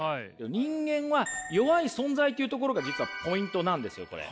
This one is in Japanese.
「人間は弱い存在」というところが実はポイントなんですよこれ。